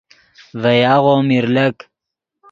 ڤے یاغو میر لک